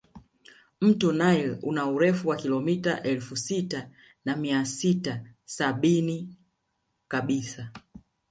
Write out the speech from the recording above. Mto nile una urefu wa kilomita elfu sita na mia sita sabini kabisa